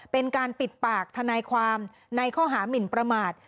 เป็นการปิดปากทนายความในข้อหามินประมาท